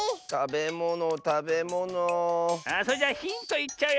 あそれじゃヒントいっちゃうよ。